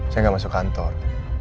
saya gak masuk kantor